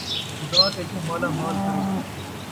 خدا تیکوں مالامال کرے